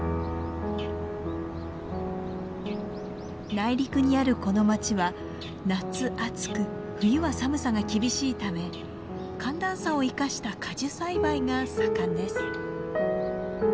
内陸にあるこの町は夏暑く冬は寒さが厳しいため寒暖差を生かした果樹栽培が盛んです。